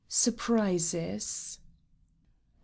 SURPRISES I.